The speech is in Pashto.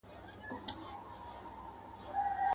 هره مور ده پرهارونه د ناصورو.